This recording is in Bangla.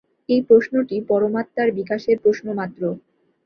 এই প্রশ্নটি পরমাত্মার বিকাশের প্রশ্নমাত্র।